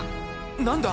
何だ⁉